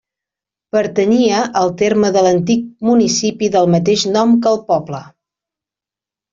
Pertanyia al terme de l'antic municipi del mateix nom que el poble.